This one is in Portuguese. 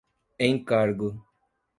encargo